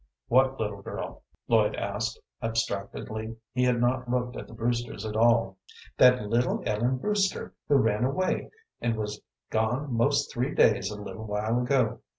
"What little girl?" Lloyd asked, abstractedly. He had not looked at the Brewsters at all. "That little Ellen Brewster who ran away and was gone most three days a little while ago.